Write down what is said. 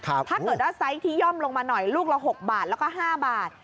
ถ้าเกิดว่าไซส์ที่ย่อมลงมาหน่อยลูกละ๖บาทแล้วก็๕บาท